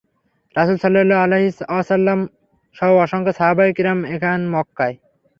রাসূল সাল্লাল্লাহু আলাইহি ওয়াসাল্লাম সহ অসংখ্য সাহাবায়ে কিরাম এখন মক্কায়।